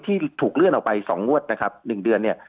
ที่ถูกเลื่อนออกไป๒งวด๑เดือน